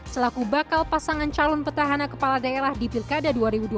selaku bakal pasangan calon petahana kepala daerah di pilkada dua ribu dua puluh